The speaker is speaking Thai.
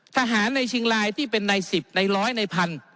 ทหารในชิงรายที่เป็นในสิบในร้อยในพันธุ์